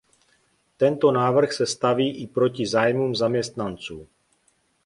Tento návrh se staví i proti zájmům zaměstnanců.